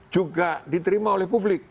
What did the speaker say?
juga diterima oleh publik